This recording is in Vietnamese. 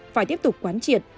phải tiếp tục quán triệt